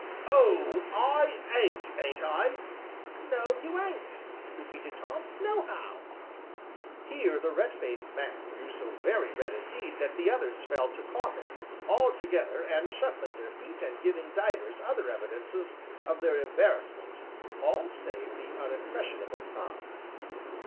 "Oh! I ain't, ain't I?" "No, you ain't," repeated Tom, "nohow." Here the red faced man grew so very red indeed that the others fell to coughing, all together, and shuffling their feet and giving divers other evidences of their embarrassment, all save the unimpressionable Tom.